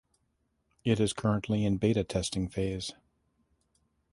It is currently in beta testing phase.